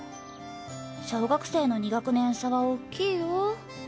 小学生の２学年差は大きいよぉ。